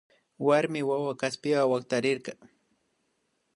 Warmi wawa kaspiwa waktarirka